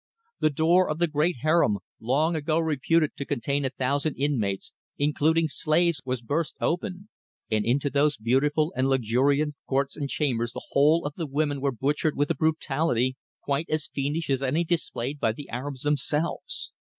The door of the great harem, long ago reputed to contain a thousand inmates, including slaves, was burst open, and in those beautiful and luxuriant courts and chambers the whole of the women were butchered with a brutality quite as fiendish as any displayed by the Arabs themselves.